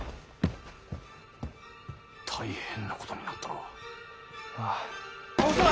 大変なことになったな。